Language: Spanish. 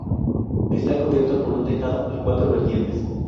Está cubierto por un tejado a cuatro vertientes.